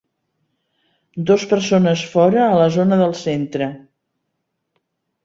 Dos persones fora a la zona del centre.